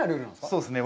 そうですね。